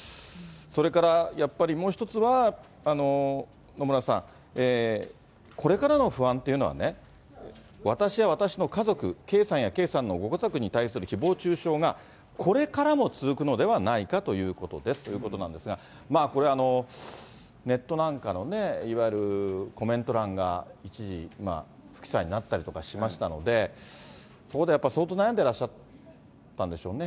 それからやっぱりもう一つは、野村さん、これからの不安というのは、私や私の家族、圭さんや圭さんのご家族に対するひぼう中傷が、これからも続くのではないかということですということなんですが、これ、ネットなんかのね、いわゆるコメント欄が一時、不記載になったりとかしましたので、そこでやっぱり相当悩んでらっしゃったんでしょうね。